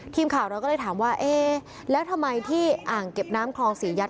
ทีมข่าวเราก็เลยถามว่าเอ๊ะแล้วทำไมที่อ่างเก็บน้ำคลองศรียัต